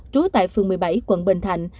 trú tại phường một mươi bảy quận bình